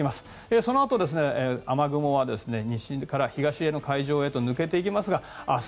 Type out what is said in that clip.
そのあと雨雲は東の海上へ抜けていきますが明日